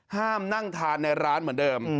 ห้ามนั่งทานในร้านเหมือนเดิม